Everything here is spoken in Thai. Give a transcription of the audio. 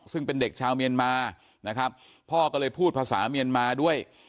ซึ่งเป็นเด็กชาวเมียนมานะครับพ่อก็เลยพูดภาษาเมียนมาด้วย